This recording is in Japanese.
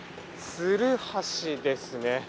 つるはしですね。